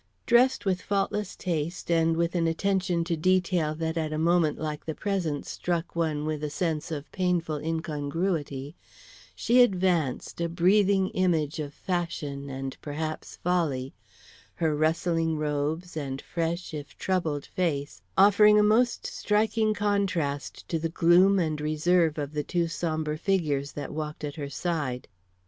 Dressed with faultless taste and with an attention to detail that at a moment like the present struck one with a sense of painful incongruity, she advanced, a breathing image of fashion and perhaps folly; her rustling robes, and fresh, if troubled face, offering a most striking contrast to the gloom and reserve of the two sombre figures that walked at her side.